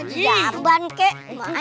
di jamban kek